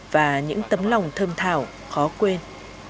và những tấm lòng thơm thảo khó quên